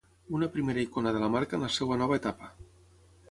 Una primera icona de la marca en la seva nova etapa.